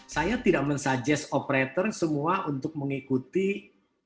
saya tidak men suggest operator semua untuk mengikuti quality of service yang diperlukan